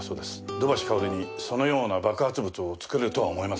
土橋かおるにそのような爆発物を作れるとは思えません。